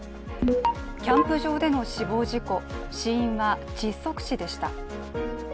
キャンプ場での死亡事故、死因は窒息死でした。